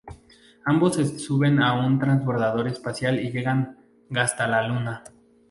Ambos se suben a un transbordador espacial y llegan gasta la luna.